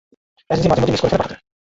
Agency মাঝেমধ্যে miss করে ফেলে পাঠাতে।